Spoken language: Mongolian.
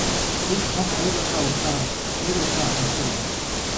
Гэнэт хонх хоёр удаа удаан, хоёр удаа хурдан дуугарлаа.